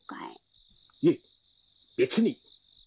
「いえ別に」